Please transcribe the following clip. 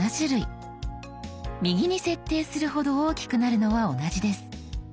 右に設定するほど大きくなるのは同じです。